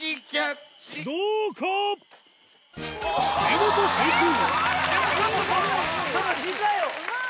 見事成功！